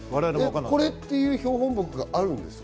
これっていう標本木があるんですか？